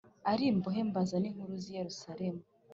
ari imbohe mbaza n inkuru z i Yerusalemu